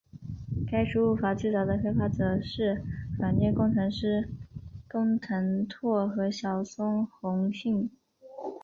该输入法最早的开发者是软件工程师工藤拓和小松弘幸。